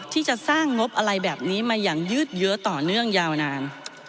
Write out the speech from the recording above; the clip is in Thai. ที่จะสร้างงบอะไรแบบนี้มาอย่างยืดเยอะต่อเนื่องยาวนาน